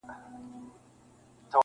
هغه کيسې د چڼچڼيو د وژلو کړلې-